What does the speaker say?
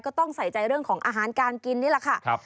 ก็ต้องใส่ใจเรื่องของอาหารการกินนี่แหละค่ะ